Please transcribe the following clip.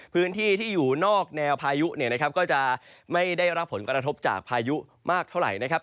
พื้นที่ที่อยู่นอกแนวพายุเนี่ยนะครับก็จะไม่ได้รับผลกระทบจากพายุมากเท่าไหร่นะครับ